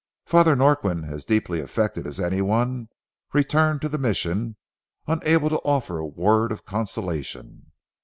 Father Norquin, as deeply affected as any one, returned to the Mission, unable to offer a word of consolation.